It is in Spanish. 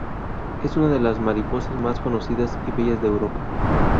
Es una de las mariposas más conocidas y bellas de Europa.